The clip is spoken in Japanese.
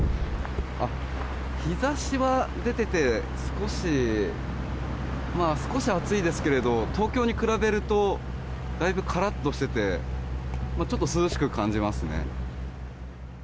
日差しは出ていて少し暑いですけど東京に比べるとだいぶカラッとしててちょっと涼しく感じますね。